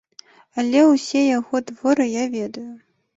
Але ўсе яго творы я ведаю.